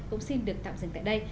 cũng xin được tạm dừng tại đây